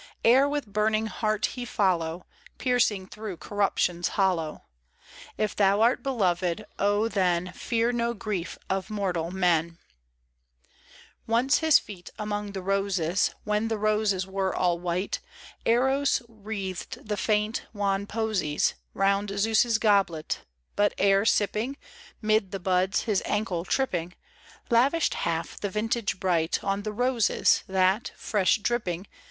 Ere with burning heart he follow, Piercing through corruption's hollow. If thou art beloved, oh then Fear no grief of mortal men I ONCE, his feet among the roses, When the roses were all white, Eros wreathed the faint, wan posies Round Zeus* goblet ; but, ere sipping, 'Mid the buds his ankle tripping, Lavished half the vintage bright On the roses, that, fresh dripping.